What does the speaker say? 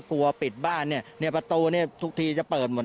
ปิดบ้านเนี่ยประตูเนี่ยทุกทีจะเปิดหมด